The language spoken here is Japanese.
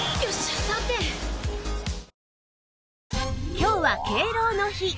今日は敬老の日